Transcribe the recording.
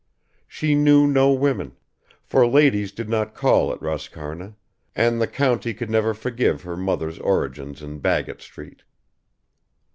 She knew no women; for ladies did not call at Roscarna, and the county could never forgive her mother's origins in Baggott Street.